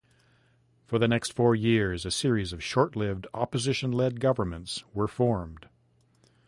For the next four years, a series of short-lived, opposition-led governments were formed.